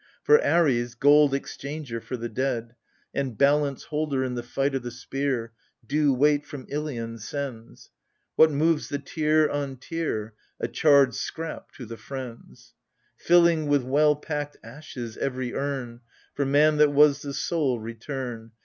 For Ares, gold exchanger for the dead, And balance holder in the fight o' the spear, Due weight from Ilion sends — What moves the tear on tear — A charred scrap to the friends : Filling with well packed ashes every urn, For man that was the sole return.